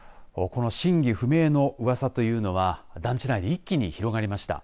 この真偽不明のうわさというのは団地内に一気に広がりました。